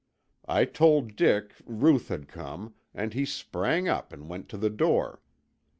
I told Dick Ruth had come, and he sprang up and went to the door.